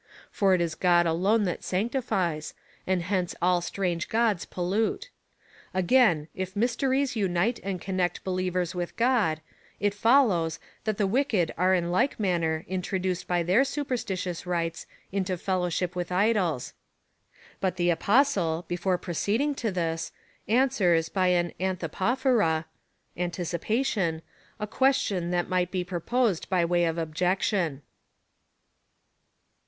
^ For it is God alone that sanctifies, and hence all strange gods pollute.^ Again, if mysteries^ unite and connect believers with God, it follows, that the wicked are in like manner introduced by their superstitious rites into fellowship* with idols. But the Apostle, before proceeding to this, answers by an anthypophora^ (anticipa tion) a question that might be proposed by way of objection.